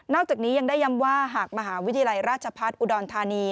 จากนี้ยังได้ย้ำว่าหากมหาวิทยาลัยราชพัฒน์อุดรธานี